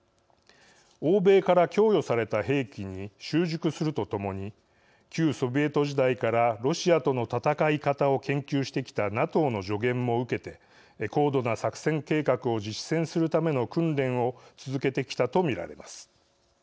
欧米から供与された兵器に習熟するとともに旧ソビエト時代からロシアとの戦い方を研究してきたＮＡＴＯの助言も受けて高度な作戦計画を実践するための訓練を続けてきたと見られます。